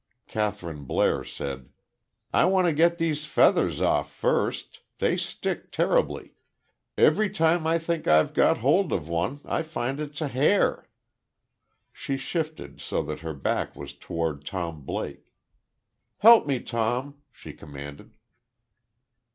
Kathryn Blair said: "I want to get these feathers off first. They stick terribly.... Every time I think I've got hold of one, I find it's a hair." She shifted, so that her back was toward Tom Blake. "Help me, Tom," she commanded.